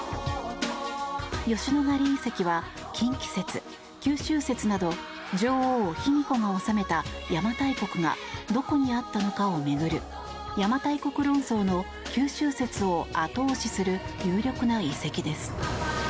吉野ヶ里遺跡は近畿説、九州説など女王・卑弥呼が治めた邪馬台国がどこにあったのかを巡る邪馬台国論争の九州説を後押しする有力な遺跡です。